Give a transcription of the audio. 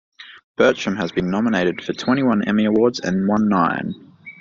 Bertram has been nominated for twenty-one Emmy awards and won nine.